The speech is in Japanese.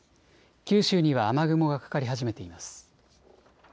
九州には雨雲がかかり始めています。